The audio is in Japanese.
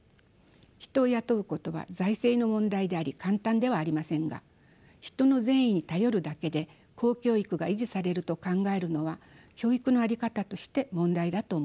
人を雇うことは財政の問題であり簡単ではありませんが人の善意に頼るだけで公教育が維持されると考えるのは教育の在り方として問題だと思います。